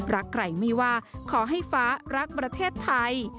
รักใครไม่ว่าขอให้ฟ้ารักประเทศไทย